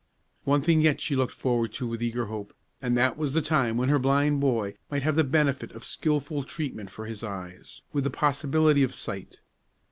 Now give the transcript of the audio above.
One thing yet she looked forward to with eager hope, and that was the time when her blind boy might have the benefit of skilful treatment for his eyes, with the possibility of sight.